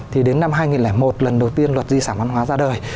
thì đến năm hai nghìn một lần đầu tiên luật di sản văn hóa ra đời